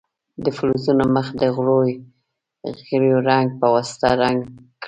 د فلزونو مخ د غوړیو رنګ په واسطه رنګ کړئ.